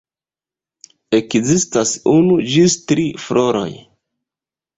Ekzistas unu ĝis tri floroj.